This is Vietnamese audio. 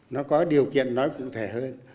nó có điều kiện nói cụ thể hơn